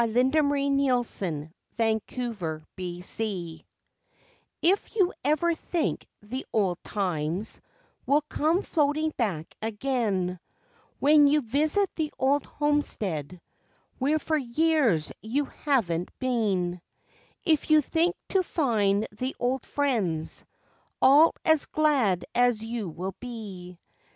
LIFE WAVES 55 AFTER FORTY YEARS If you ever think the old times Will come floating back again, When you visit the old homestead, Where for years you haven't been, If you think to find the old friends, All as glad as you will be.